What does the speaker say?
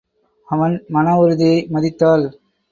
அவன் மன உறுதியை மதித்தாள்.